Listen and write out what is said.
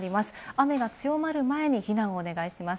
雨が強まる前に避難をお願いします。